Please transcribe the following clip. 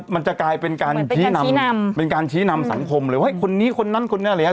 มันจะกลายเป็นการชี้นำเป็นการชี้นำสังคมเลยว่าคนนี้คนนั้นคนนี้อะไรอย่างนี้